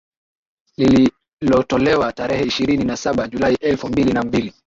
lililotolewa tarehe ishirini na saba Julai elfu mbili na mbili